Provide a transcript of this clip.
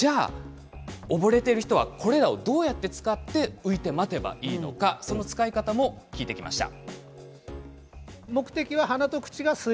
溺れている人はこれらをどうやって使って浮いて待てばいいのかその使い方も聞いてきました。